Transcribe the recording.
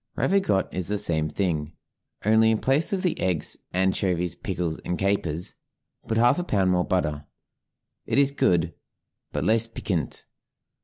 Ravigotte is the same thing, only in place of the eggs, anchovies, pickles, and capers, put half a pound more butter; it is good, but less piquant.